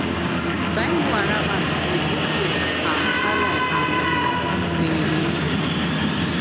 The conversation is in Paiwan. saigu aravac ti vuvuaqaljay a menilimilingan